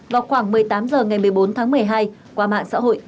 vào khoảng một mươi tám h ngày một mươi bốn tháng một mươi hai qua mạng xã hội